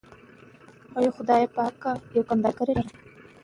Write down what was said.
که پوهه عملي شي، ستونزې حل کېږي.